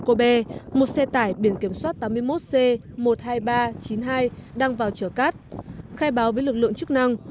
cô bê một xe tải biển kiểm soát tám mươi một c một mươi hai nghìn ba trăm chín mươi hai đang vào chở cát khai báo với lực lượng chức năng